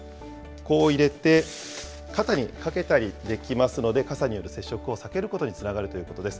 こう入れて、肩にかけたりできますので、傘による接触を避けることにつながるということです。